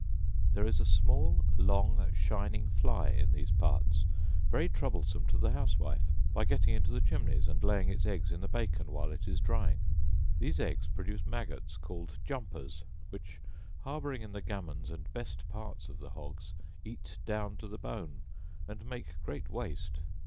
There is a small long shining fly in these parts very troublesome to the housewife, by getting into the chimneys, and laying its eggs in the bacon while it is drying: these eggs produce maggots called jumpers, which, harbouring in the gammons and best parts of the hogs, eat down to the bone, and make great waste.